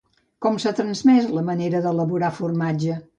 Com s'ha transmès la manera d'elaborar formatge?